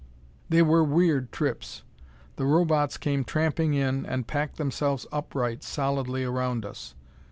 They were weird trips. The Robots came tramping in, and packed themselves upright, solidly, around us.